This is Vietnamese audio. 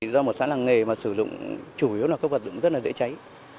do một xã làng nghề mà sử dụng chủ yếu là các vật dụng rất là dễ cháy